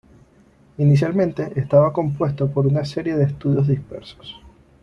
Inicialmente estaba compuesto por una serie de estudios dispersos.